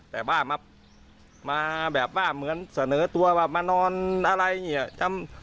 แต่ว่ามาแบบว่าเหมือนเสนอตัวว่ามานอนอะไรอย่างนี้